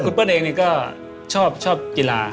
คุณเปิ้ลเองนี่ก็ชอบกีฬา